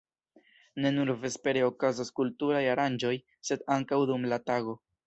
Ne nur vespere okazas kulturaj aranĝoj, sed ankaŭ dum la tago.